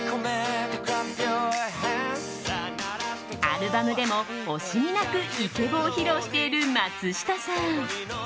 アルバムでも惜しみなくイケボを披露している松下さん。